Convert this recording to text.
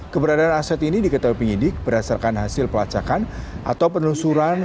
keberadaan aset ini diketahui penyidik berdasarkan hasil pelacakan atau penelusuran